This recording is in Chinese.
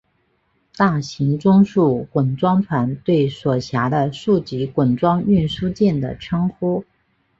大型中速滚装船对所辖的数级滚装运输舰的称呼。